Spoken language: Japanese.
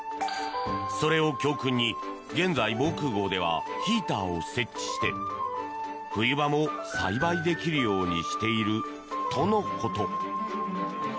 それを教訓に現在、防空壕ではヒーターを設置して冬場も栽培できるようにしているとのこと。